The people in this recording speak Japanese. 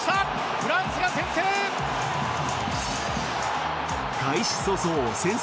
フランスが先制！